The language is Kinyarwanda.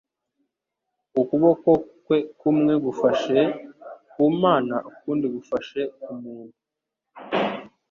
ukuboko kwe kumwe gufashe ku Mana ukundi gufashe ku muntu.